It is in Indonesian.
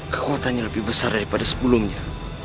kekuatannya lebih besar daripada sebelumnya